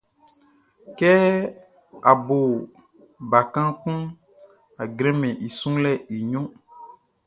Kɛ a bo bakan kunʼn, a jranmɛn i sunlɛʼn i ɲrun.